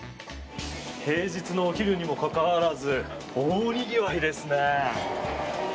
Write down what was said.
平日のお昼にもかかわらず大にぎわいですね。